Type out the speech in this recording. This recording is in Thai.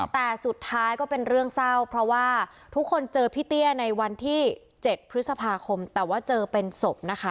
แต่สุดท้ายก็เป็นเรื่องเศร้าเพราะว่าทุกคนเจอพี่เตี้ยในวันที่๗พฤษภาคมแต่ว่าเจอเป็นศพนะคะ